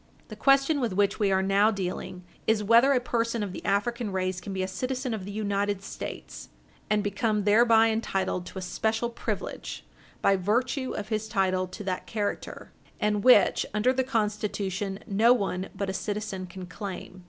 The question with which we are now dealing is whether a person of the African race can be a citizen of the United States, and become thereby entitled to a special privilege by virtue of his title to that character, and which, under the Constitution, no one but a citizen can claim.